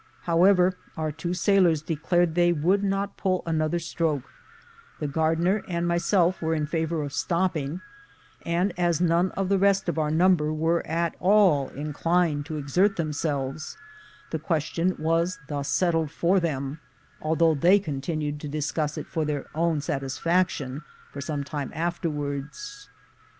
However, our two sailors declared they would not pull another stroke — the gardener and my self were in favor of stopping — and as none of the rest of our number were at all inclined to exert themselves, the question was thus settled for them, although they continued to discuss it for their ovni satisfaction for some time afterwards.